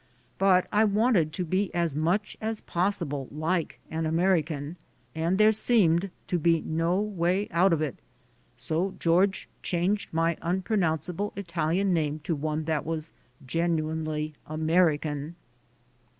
But I wanted to be as much as possible like an American, and there seemed to be no way out of it, so George changed my unpronounceable Italian name to one that was genuinely American.